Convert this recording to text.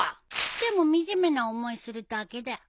来ても惨めな思いするだけだよ。